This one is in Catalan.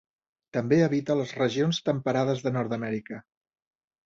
També habita les regions temperades de Nord-amèrica.